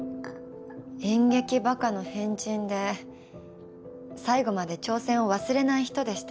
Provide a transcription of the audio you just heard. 演劇バカの変人で最後まで挑戦を忘れない人でした。